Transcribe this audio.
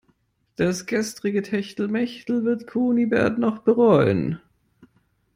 Das gestrige Techtelmechtel wird Kunibert noch bereuen.